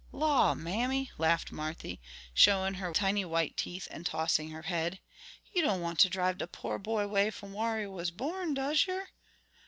"Law, mammy," laughed Marthy, showing her tiny white teeth and tossing her head, "you don' want ter drive de po' boy 'way from whar he was born, does yer?"